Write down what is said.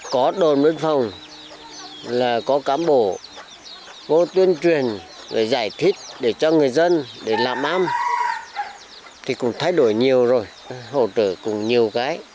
có đồn biên phòng là có cán bộ vô tuyên truyền giải thích để cho người dân để làm ăn thì cũng thay đổi nhiều rồi hỗ trợ cũng nhiều cái